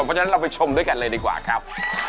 เพราะฉะนั้นเราไปชมด้วยกันเลยดีกว่าครับ